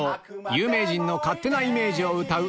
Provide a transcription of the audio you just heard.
有名人の勝手なイメージを歌う